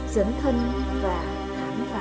dấn thân và khám phá